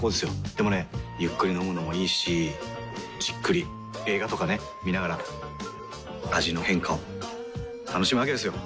でもねゆっくり飲むのもいいしじっくり映画とかね観ながら味の変化を楽しむわけですよ。